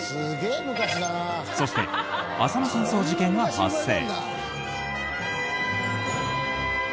そして、浅間山荘事件が発生。